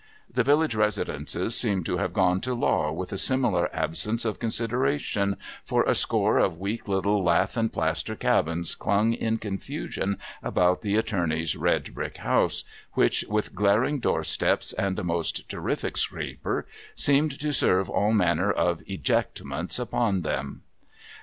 The village residences seemed to have gone to law with a similar absence of consideration, for a score of weak little lath and plaster cabins clung in confusion about the Attorney's red brick house, which, Avith glaring door steps and a most terrific scraper, seemed to serve all manner of ejectments upon them.